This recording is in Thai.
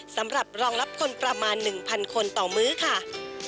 สำหรับรองรับคนประมาณ๑๐๐คนต่อมื้อค่ะ